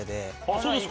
そうですか。